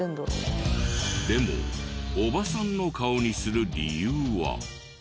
でもおばさんの顔にする理由は？